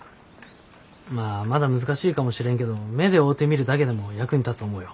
まあまだ難しいかもしれんけど目で追おてみるだけでも役に立つ思うよ。